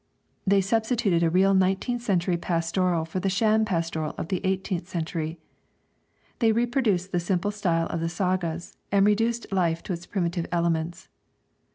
They substituted a real nineteenth century pastoral for the sham pastoral of the eighteenth century. They reproduced the simple style of the sagas, and reduced life to its primitive elements.